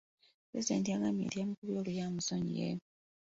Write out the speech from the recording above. Pulezidenti yagambye nti eyamukubye oluyi amusonyiye.